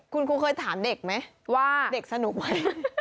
คุณครูเคยถามเด็กไหมว่าเด็กสนุกไหม